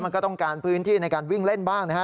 ก็ต้องการพื้นที่ในการวิ่งเล่นบ้างนะฮะ